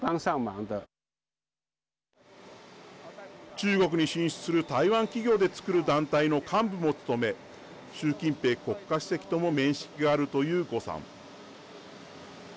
中国に進出する台湾企業でつくる団体の幹部も務め習近平国家主席とも面識があるという呉さん。